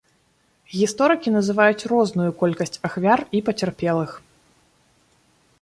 Гісторыкі называюць розную колькасць ахвяр і пацярпелых.